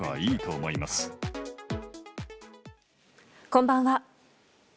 こんばんは。